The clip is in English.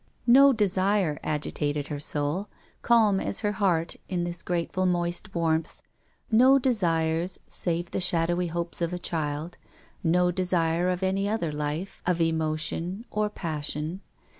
No desire agitated her soul, calm as her heart in this grateful moist warmth, no desires save the shadowy hopes of a child, no desire of any other life, of emotion, or passion.